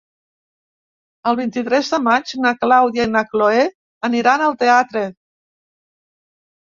El vint-i-tres de maig na Clàudia i na Cloè aniran al teatre.